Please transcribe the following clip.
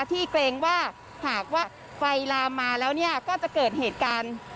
เกรงว่าหากว่าไฟลามมาแล้วก็จะเกิดเหตุการณ์